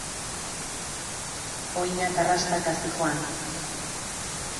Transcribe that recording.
Oinak arrastaka zihoan.